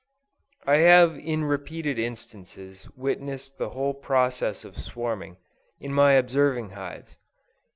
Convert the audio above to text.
I have in repeated instances witnessed the whole process of swarming, in my observing hives.